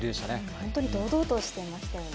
本当に堂々としていましたよね。